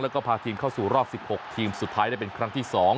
แล้วก็พาทีมเข้าสู่รอบ๑๖ทีมสุดท้ายได้เป็นครั้งที่๒